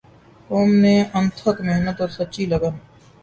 قوم نے انتھک محنت اور سچی لگن